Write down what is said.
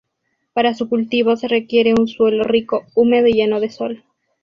Para su cultivo se requiere un suelo rico, húmedo y lleno de sol.